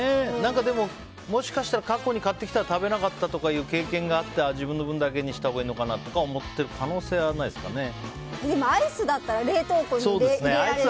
でも、もしかしたら過去に買ってきたら食べなかったとかいう経験があって自分の分だけにしたほうがいいのかなって思ってるでもアイスだったら冷凍庫に入れられるし。